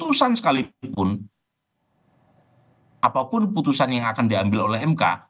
kegugaan saya setelah mk mengambil keputusan sekalipun apapun keputusan yang akan diambil oleh mk